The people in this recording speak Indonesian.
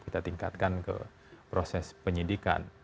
kita tingkatkan ke proses penyidikan